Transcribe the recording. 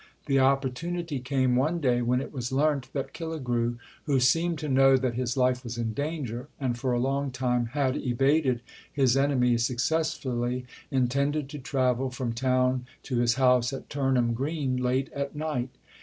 The opportunity came one day when it was learnt that Killigrew, who seemed to know that his life was in danger and for a long time had evaded his enemies successfully, intended to travel from town to his house at Turnham Green late at night.